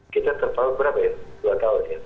kita terpaut berapa ya dua tahun ya